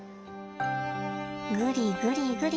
ぐりぐりぐり。